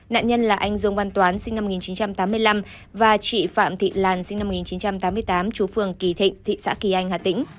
nạn nhân là anh dương văn toán sinh năm một nghìn chín trăm tám mươi năm và chị phạm thị làn sinh năm một nghìn chín trăm tám mươi tám chú phường kỳ thịnh thị xã kỳ anh hà tĩnh